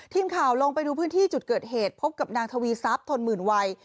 ทีมข่าวลงไปดูพื้นที่จุดเกิดเหตุพบกับนางทวีทรัพย์ทนหมื่นวัย